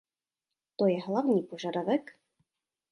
To je hlavní požadavek.